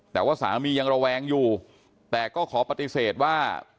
แต่ว่าสามียังระแวงอยู่แต่ก็ขอปฏิเสธว่า